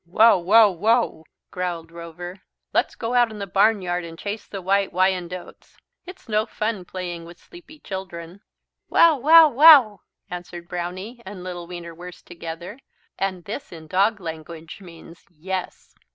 "Wow, wow, wow," growled Rover, "let's go out in the barnyard and chase the White Wyandottes. It's no fun playing with sleepy children." "Wow, wow, wow!" answered Brownie and little Wienerwurst together, and this in dog's language means "Yes."